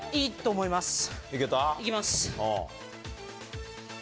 行きます。